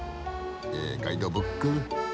えガイドブック。